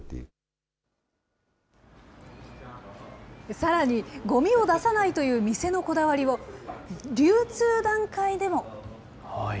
さらに、ごみを出さないという店のこだわりを、流通段階でも。